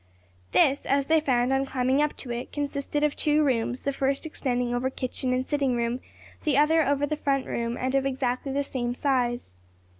This, as they found on climbing up to it, consisted of two rooms, the first extending over kitchen and sitting room, the other over the front room and of exactly the same size.